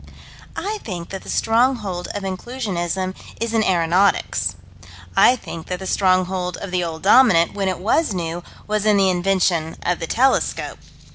I think that the stronghold of Inclusionism is in aeronautics. I think that the stronghold of the Old Dominant, when it was new, was in the invention of the telescope.